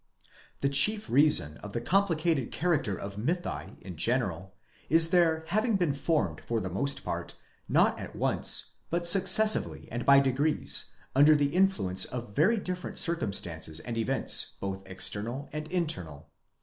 "ΤῊ chief reason of the complicated character of mythi in general, is their having been formed for the most part, not at once, but successively and by degrees, under the influence of very different circumstances and events both external and internal.